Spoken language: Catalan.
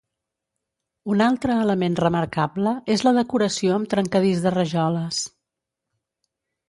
Un altre element remarcable és la decoració amb trencadís de rajoles.